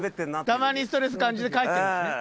たまにストレス感じて帰ってるんですね。